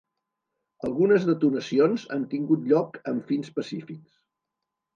Algunes detonacions han tingut lloc amb fins pacífics.